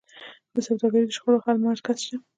د سوداګریزو شخړو حل مرکز شته؟